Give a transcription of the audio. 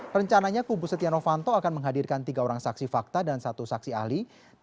rencananya kubu setia novanto akan menghadirkan tiga orang saksi fakta dan satu saksi ahli